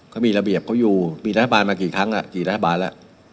เขามีระเบียบเขาอยู่มีรัฐบาลมากี่ครั้งกี่รัฐบาลแล้ว